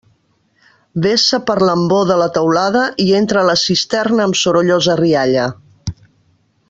Vessa per l'embó de la teulada i entra a la cisterna amb sorollosa rialla.